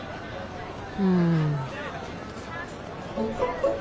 うん。